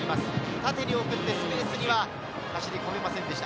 縦に送ってスペースには走り込めませんでした。